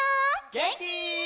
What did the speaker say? げんき？